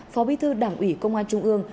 phó bí thư đảng ủy công an trung ương